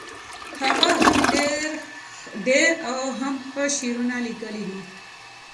هغه هم ډیر او هم ښه شعرونه لیکلي دي